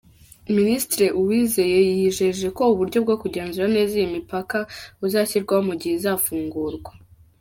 Minisitiri Uwizeye yijeje ko uburyo bwo kugenzura neza iyi mipaka buzashyirwaho mu gihe izafungurwa.